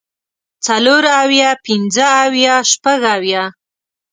څلور اويه پنځۀ اويه شپږ اويه